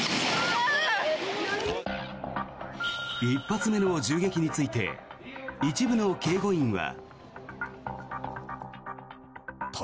１発目の銃撃について一部の警護員は。